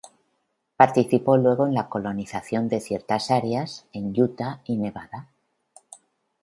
Participó luego en la colonización de ciertas áreas en Utah y Nevada.